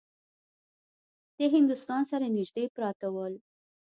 د هندوستان سره نیژدې پراته ول.